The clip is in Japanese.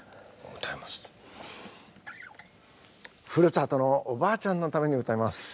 ふるさとのおばあちゃんのために歌います。